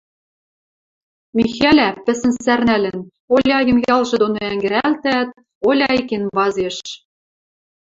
Михӓлӓ, пӹсӹн сӓрнӓлӹн, Оляйым ялжы доно ӓнгӹрӓлтӓӓт, Оляй кенвазеш.